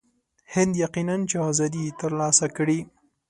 هند یقیناً چې آزادي ترلاسه کړي.